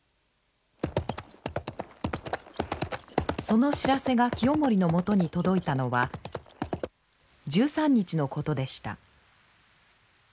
その知らせが清盛のもとに届いたのは１３日のことでした。